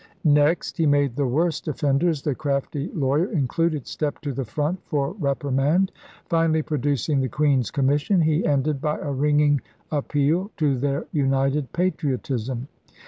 Next, he made the worst ojffenders, the *craftie lawyer' included, step to the front for reprimand. Finally, producing the Queen's commission, he ended by a ringing appeal to their united patriot ism.